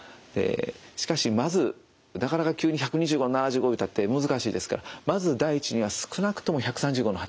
しかしまずなかなか急に１２５７５いうたって難しいですからまず第一には少なくとも１３５の８５。